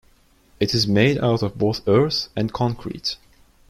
It is made out of both earth and concrete.